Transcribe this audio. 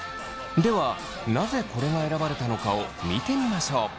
ではなぜこれが選ばれたのかを見てみましょう。